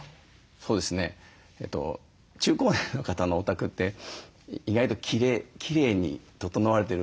そうですね中高年の方のお宅って意外ときれいに整われてる。